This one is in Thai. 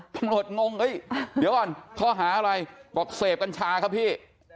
ตำรวจงงเดี๋ยวก่อนเขาหาอะไรบอกเสพกัญชาครับพี่